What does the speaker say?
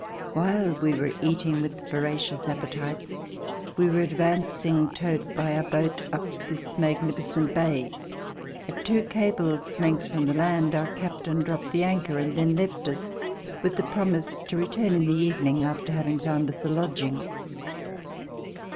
While we were eating with voracious appetites, we were advancing, towed by our boat, up this magnificent bay. At two cables' length from the land, our captain dropped the anchor and then left us with the promise to return in the evening after having found us a lodging.